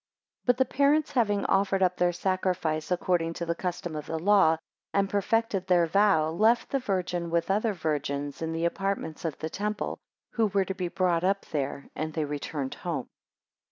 8 But the parents having offered up their sacrifice, according to the custom of the law, and perfected their vow, left the Virgin with other virgins in the apartments of the temple, who were to be brought up there, and they returned home.